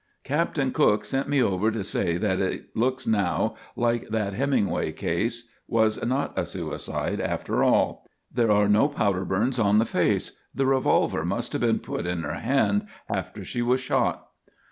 "Captain Cook sent me over to say that it looks now like that Hemingway case was not a suicide after all. There are no powder burns on the face. The revolver must have been put in her hand after she was shot."